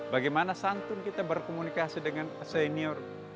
bagaimana santun kita berkomunikasi dengan senior